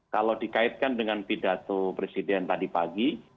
kalau dikaitkan dengan pidato presiden tadi pagi